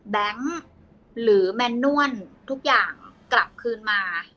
หรือแมนนวลทุกอย่างกลับคืนมา